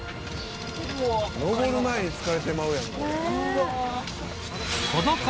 登る前に疲れてまうやん。